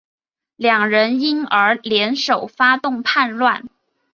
两人因而联手发动叛乱。